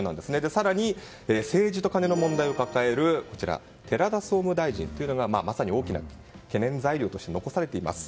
更に、政治とカネの問題を抱える寺田総務大臣というのがまさに大きな懸念材料として残されています。